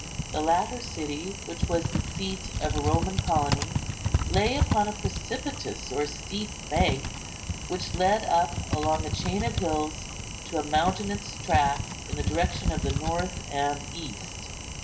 The latter city, which was the seat of a Roman colony, lay upon a precipitous or steep bank, which led up along a chain of hills to a mountainous track in the direction of the north and east.